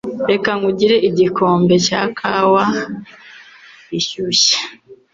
Reka nkugire igikombe cya kawa ishyushye.